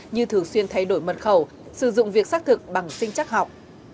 như thường xuyên thay đổi mật khẩu sử dụng việc xác thực bằng sinh chắc học